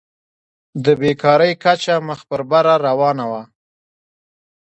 د بېکارۍ کچه مخ په بره روانه وه.